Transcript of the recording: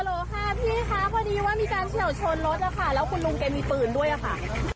แล้วคุณลุงมีปืนด้วยค่ะ